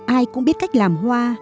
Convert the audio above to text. ai cũng biết cách làm hoa